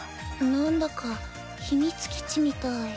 なんだか秘密基地みたい。